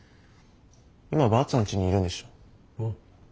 今ばあちゃんちにいるんでしょ。